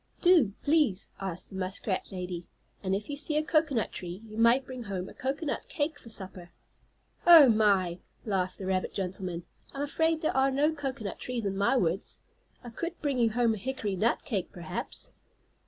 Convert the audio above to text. "Do, please," asked the muskrat lady. "And if you see a cocoanut tree you might bring home a cocoanut cake for supper." "Oh, my!" laughed the rabbit gentleman. "I'm afraid there are no cocoanut trees in my woods. I could bring you home a hickory nut cake, perhaps."